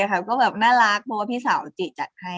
ก็แบบน่ารักเพราะว่าพี่สาวจิจัดให้